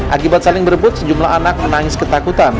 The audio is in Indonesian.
akibat saling berebut sejumlah anak menangis ketakutan